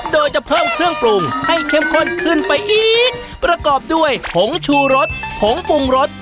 โดยจะเพิ่มเครื่องปรุงให้เข้มข้นขึ้นไปอีกประกอบด้วยผงชูรสผงปรุงรส